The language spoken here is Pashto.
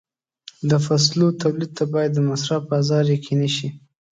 د فصلو تولید ته باید د مصرف بازار یقیني شي.